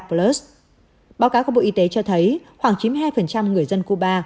plas báo cáo của bộ y tế cho thấy khoảng chín mươi hai người dân cuba